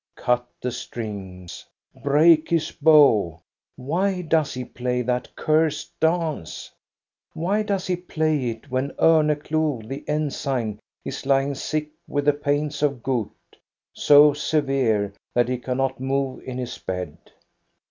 Cut the strings, break his bow! Why does he play that cursed dance? Why does he play it, when Omeclou, the ensign, is lying sick with the pains of gout, so severe that he cannot move in his bed?